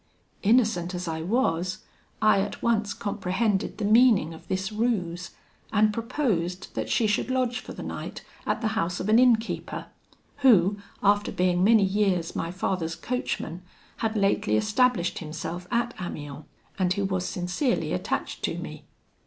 Innocent as I was, I at once comprehended the meaning of this ruse; and proposed that she should lodge for the night at the house of an innkeeper, who, after being many years my father's coachman, had lately established himself at Amiens, and who was sincerely attached to me.